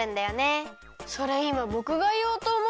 それいまぼくがいおうとおもったのに。